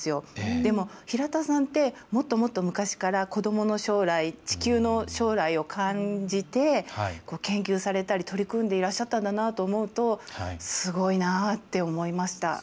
でも、平田さんってもっともっと昔から子どもの将来地球の将来を感じて研究されたり取り組んだりされていたんだなと思うと、すごいなって思いました。